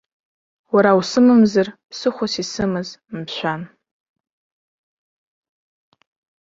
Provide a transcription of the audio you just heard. Уара усымамзар ԥсыхәас исымаз, мшәан!